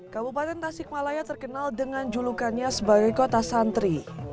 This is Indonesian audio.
kabupaten tasik malaya terkenal dengan julukannya sebagai kota santri